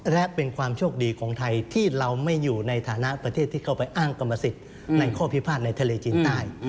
และเป็นความโชคดีของไทยที่เราไม่อยู่ในฐานะประเทศที่เข้าไปอ้างกรรมสิทธิ์ในข้อพิพาทในทะเลจีนใต้